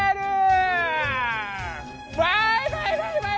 バイバイバイバイ。